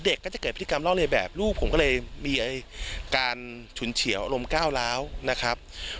ก็จะเกิดพฤติกรรมเล่าเรียนแบบลูกผมก็เลยมีการฉุนเฉียวอารมณ์ก้าวร้าวนะครับ